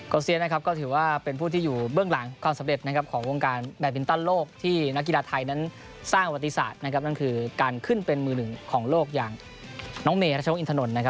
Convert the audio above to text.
โค้เซี้ยนะครับก็ถือว่าเป็นผู้ที่อยู่เบื้องหลังความสำเร็จของวงการแบตปริ้นต้นโลกที่นักกีฬาไทยนั้นสร้างอวัติศาสตร์นั่นคือการขึ้นเป็นมือหนึ่งของโลกอย่างน้องเมล์รัชโน๊ตอินทานนท์